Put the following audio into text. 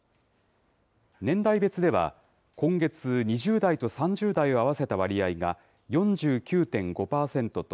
年代別では、今月２０代と３０代を合わせた割合が４９．５％と、